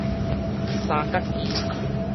三角肌